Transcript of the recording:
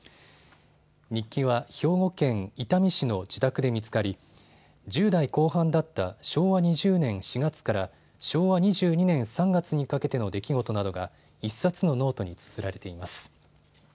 日記は兵庫県伊丹市の自宅で見つかり１０代後半だった昭和２０年４月から昭和２２年３月にかけての出来事などが１冊のノートにつづられています。